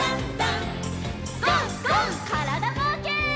からだぼうけん。